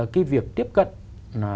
cái việc tiếp cận